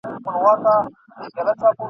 زما د پنځو ورځو پسرلي ته سترګي مه نیسه !.